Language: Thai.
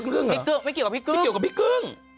เรื่องกับพี่กึ้งพี่เกี่ยวกับพี่กึ้ง